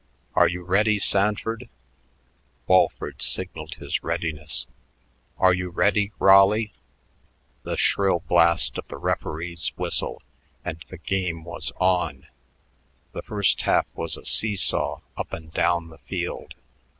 "Are you ready, Sanford?" Walford signaled his readiness. "Are you ready, Raleigh?" The shrill blast of the referee's whistle and the game was on. The first half was a see saw up and down the field.